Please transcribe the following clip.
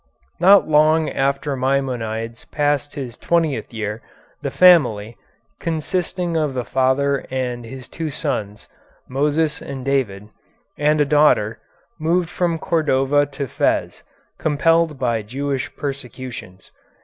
Not long after Maimonides passed his twentieth year the family, consisting of the father and his two sons, Moses and David, and a daughter, moved from Cordova to Fez, compelled by Jewish persecutions.